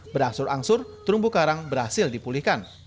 berangsur angsur terumbu karang berhasil dipulihkan